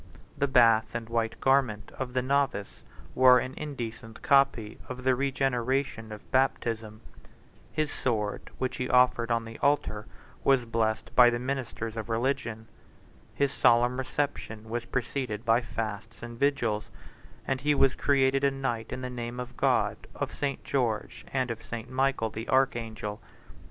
The bath and white garment of the novice were an indecent copy of the regeneration of baptism: his sword, which he offered on the altar, was blessed by the ministers of religion: his solemn reception was preceded by fasts and vigils; and he was created a knight in the name of God, of St. George, and of St. Michael the archangel.